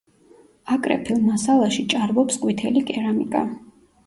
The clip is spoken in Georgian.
აკრეფილ მასალაში ჭარბობს ყვითელი კერამიკა.